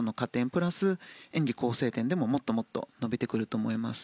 プラス演技構成点でももっともっと伸びてくると思います。